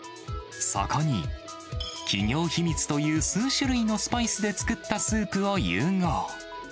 そこに企業秘密という数種類のスパイスで作ったスープを融合。